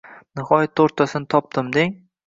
Nihoyat to‘rttasini topdim deng.